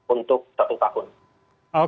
untuk satu tahun